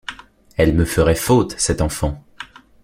Elle me ferait faute, cette enfant.